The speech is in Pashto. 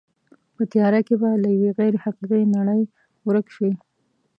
په تیاره کې به له یوې غیر حقیقي نړۍ ورک شوې.